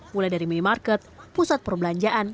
mulai dari minimarket pusat perbelanjaan